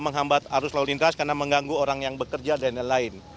menghambat arus lalu lintas karena mengganggu orang yang bekerja dan lain lain